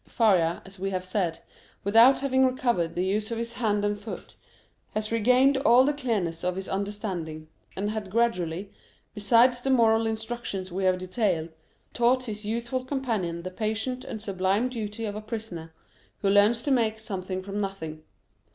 Faria, as we have said, without having recovered the use of his hand and foot, had regained all the clearness of his understanding, and had gradually, besides the moral instructions we have detailed, taught his youthful companion the patient and sublime duty of a prisoner, who learns to make something from nothing.